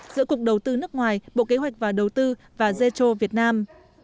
giữa cục đầu tư nước ngoài bộ kế hoạch và đầu tư và gcho việt nam